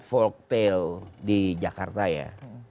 voktail di jakarta ya